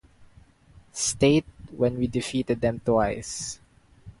State when we defeated them twice.